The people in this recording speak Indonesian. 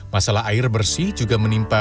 masalah air bersih juga berlaku di kupang